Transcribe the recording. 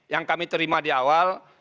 yang kami terima di awal